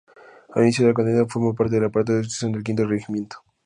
Al inicio de la contienda, formó parte del aparato de instrucción del Quinto Regimiento.